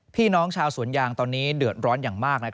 พี่น้องชาวสวนยางตอนนี้เดือดร้อนอย่างมาก